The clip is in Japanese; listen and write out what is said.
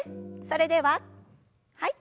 それでははい。